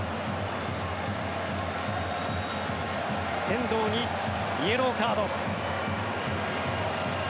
遠藤にイエローカード。